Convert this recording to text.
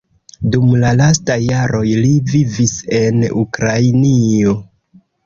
Dum la lastaj jaroj li vivis en Ukrainio.